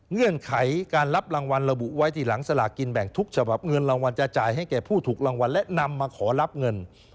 เงื่อนไขการรับรางวัลระบุไว้ที่หลังสลากกินแบ่งทุกฉบับเงินรางวัลจะจ่ายให้แก่ผู้ถูกรางวัลและนำมาขอรับเงิน